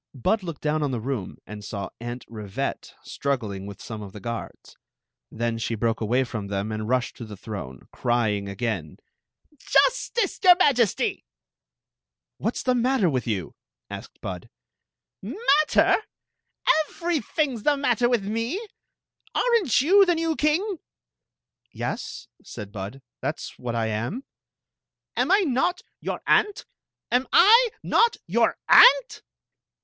Bud looked down the room and saw Aunt Rivette struggling wt^ sme el the i^i^ii. T^^ te^ away from dbm asd rushed to ^ crying again: 76 Queen Zixi of Ix ; or, the "Justice, your Majesty!" "What s the matter with you?" asked Bud "Matter? Everything s the matter with me. Are n't you the new king?" "Yes," said Bud "That s what I am." "Am I not your aunt? Am I not your aunt?"